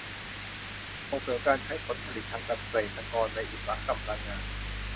ส่งเสริมการใช้ผลผลิตทางการเกษตรในอุตสาหกรรมพลังงาน